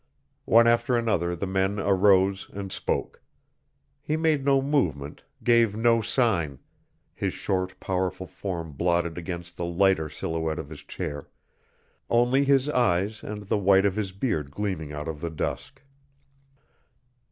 One after another the men arose and spoke. He made no movement, gave no sign, his short, powerful form blotted against the lighter silhouette of his chair, only his eyes and the white of his beard gleaming out of the dusk.